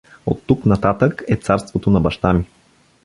Оттук нататък е царството на баща ми.